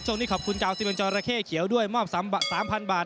ช่วงนี้ขอบคุณกาวซิเมนจอราเข้เขียวด้วยมอบ๓๐๐บาท